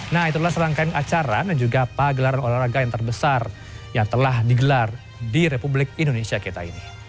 nah itulah serangkaian acara dan juga pagelaran olahraga yang terbesar yang telah digelar di republik indonesia kita ini